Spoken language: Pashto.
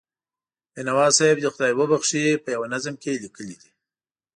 بینوا صاحب دې خدای وبښي، په یوه نظم کې یې لیکلي دي.